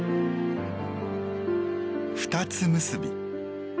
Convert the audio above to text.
「二つ結び」